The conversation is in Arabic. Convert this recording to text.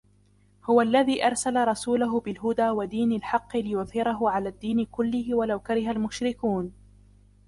هُوَ الَّذِي أَرْسَلَ رَسُولَهُ بِالْهُدَى وَدِينِ الْحَقِّ لِيُظْهِرَهُ عَلَى الدِّينِ كُلِّهِ وَلَوْ كَرِهَ الْمُشْرِكُونَ